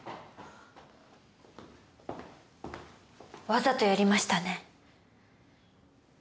わざとやりましたね？